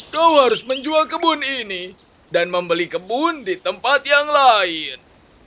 kau harus menjual kebun ini dan membeli kebun di tempat yang lain